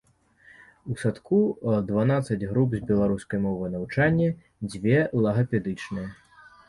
У садку дванаццаць груп з беларускай мовай навучання, дзве лагапедычныя.